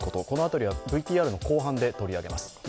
この辺りはＶＴＲの後半で取り上げます。